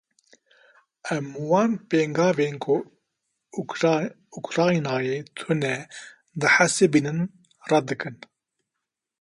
Em wan pêngavên ku Ukraynayê tune dihesibînin red dikin.